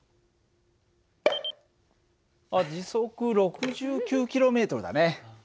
あっ時速６９ｋｍだね。